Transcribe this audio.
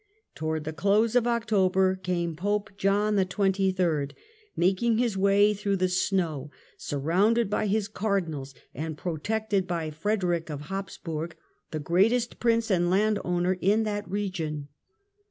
Towards the close of October came Pope Arrivals at John XXIIL, making his way through the snow, sur rounded by his cardinals, and protected by Frederick of Habsburg, the greatest prince and land owner in that region.